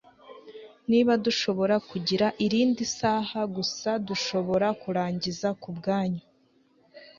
Niba dushobora kugira irindi saha gusa dushobora kurangiza kubwanyu